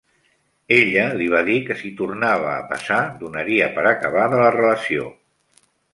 Ella li va dir que si tornava a passar, donaria per acabada la relació.